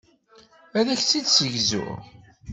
Ad ak-tt-id-ssegzuɣ.